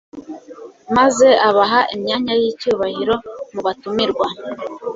maze abaha imyanya y'icyubahiro mu batumirwa